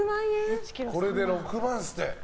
これで６万ですって。